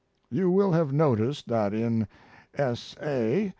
You will have noticed that in S. A.